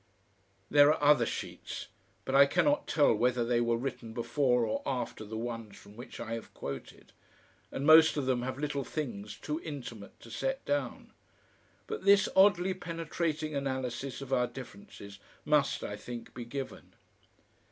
There are other sheets, but I cannot tell whether they were written before or after the ones from which I have quoted. And most of them have little things too intimate to set down. But this oddly penetrating analysis of our differences must, I think, be given.